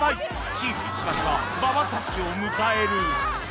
チーム石橋は馬場咲希を迎える